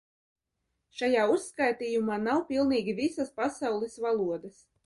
Šajā uzskaitījumā nav pilnīgi visas pasaules valodas.